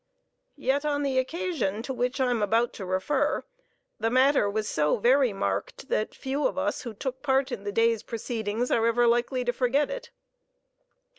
Yet on the occasion to which I am about to refer the matter was so very marked that few of us who took part in the day's proceedings are ever likely to forget it.